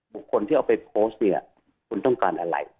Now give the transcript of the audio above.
บุคคลที่เอาไปโพสต์เนี่ยคุณต้องการอะไร